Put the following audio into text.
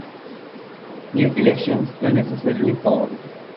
New elections were necessarily called.